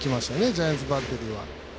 ジャイアンツバッテリーは。